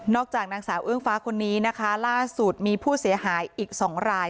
จากนางสาวเอื้องฟ้าคนนี้นะคะล่าสุดมีผู้เสียหายอีก๒ราย